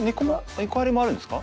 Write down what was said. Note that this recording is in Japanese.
猫アレもあるんですか？